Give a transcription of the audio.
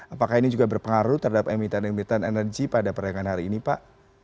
apakah ini juga berpengaruh terhadap emiten emiten energi pada perdagangan hari ini pak